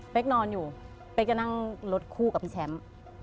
นอนอยู่เป๊กจะนั่งรถคู่กับพี่แชมป์